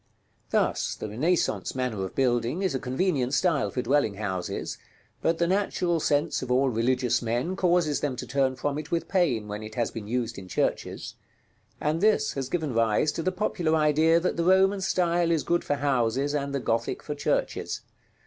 Thus the Renaissance manner of building is a convenient style for dwelling houses, but the natural sense of all religious men causes them to turn from it with pain when it has been used in churches; and this has given rise to the popular idea that the Roman style is good for houses and the Gothic for churches.